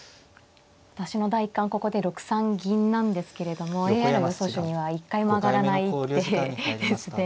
私の第一感はここで６三銀なんですけれどもＡＩの予想手には一回も挙がらない手ですね。